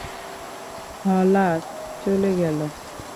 হলা চলে গেল।